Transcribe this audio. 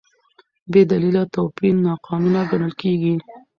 بېدلیله توپیر ناقانونه ګڼل کېږي.